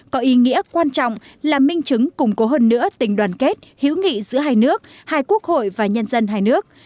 có ý nghĩa quan trọng là minh chứng củng cố hơn nữa tình đoàn kết hữu nghị giữa hai nước hai quốc hội và nhân dân hai nước